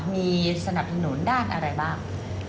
มีสนับสนุนด้านอะไรบ้าง